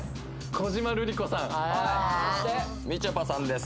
小島瑠璃子さんそしてみちょぱさんです